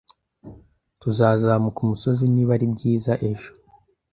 Tuzazamuka umusozi niba ari byiza ejo